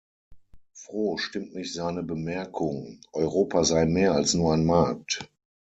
Froh stimmt mich seine Bemerkung, Europa sei mehr als nur ein Markt.